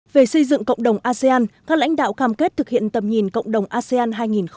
về xây dựng cộng đồng asean các lãnh đạo cam kết thực hiện tầm nhìn cộng đồng asean hai nghìn hai mươi năm